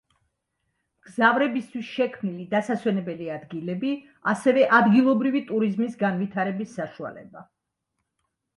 მგზავრებისთვის შექმნილი დასასვენებელი ადგილები, ასევე ადგილობრივი ტურიზმის განვითარების საშუალება.